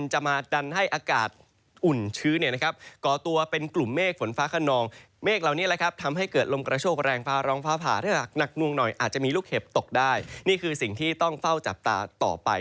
จะตกได้นี่คือสิ่งที่ต้องเฝ้าจับตาต่อไป